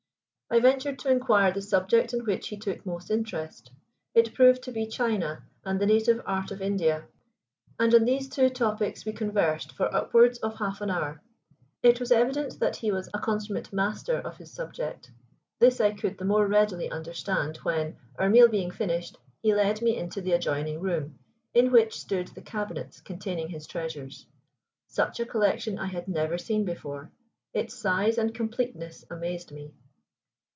I ventured to inquire the subject in which he took most interest. It proved to be china and the native art of India, and on these two topics we conversed for upwards of half an hour. It was evident that he was a consummate master of his subject. This I could the more readily understand when, our meal being finished, he led me into an adjoining room, in which stood the cabinets containing his treasures. Such a collection I had never seen before. Its size and completeness amazed me.